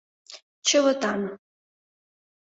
Чывытан!